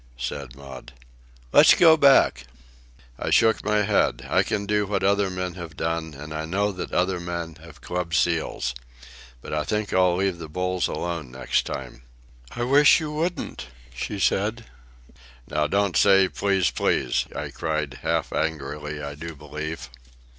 said Maud. "Let's go back." I shook my head. "I can do what other men have done, and I know that other men have clubbed seals. But I think I'll leave the bulls alone next time." "I wish you wouldn't," she said. "Now don't say, 'Please, please,'" I cried, half angrily, I do believe.